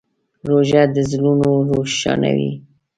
روژه د زړونو روښانوي.